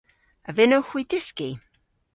A vynnowgh hwi dyski?